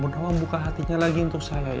bu nawang buka hatinya lagi untuk saya